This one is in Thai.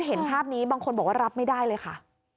เห็นภาพนี้บางคนบอกว่ารับไม่ได้เลยค่ะ